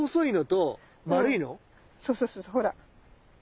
うんそうそうそうそうほら。